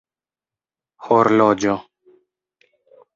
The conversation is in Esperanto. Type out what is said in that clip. horloĝo